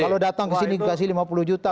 kalau datang ke sini dikasih lima puluh juta